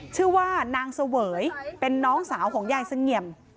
ชื่อว่านางเสวยเป็นน้องสาวของยายเสงี่ยม